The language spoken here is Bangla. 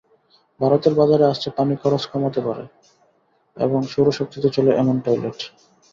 ভারতের বাজারে আসছে পানি খরচ কমাতে পারে এবং সৌরশক্তিতে চলে এমন টয়লেট।